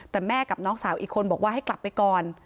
แต่แม่กับน้องสาวอีกคนบอกว่าให้กลับไปก่อน